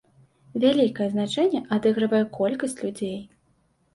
Вялікае значэнне адыгрывае колькасць людзей.